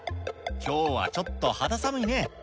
きょうは、ちょっと肌寒いね。